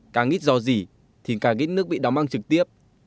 càng ít do gì thì càng ít nước bị đóng băng trực tiếp